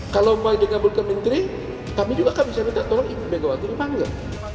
kalau umpamanya dia ngabulkan menteri kami juga kan bisa minta tolong ibu megawati dipanggil